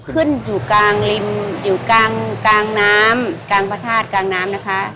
ขึ้นอยู่กลางริมอยู่กลางกลางน้ำกลางพระธาตุกลางน้ำนะคะ